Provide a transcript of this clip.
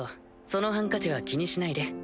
そのハンカチは気にしないで。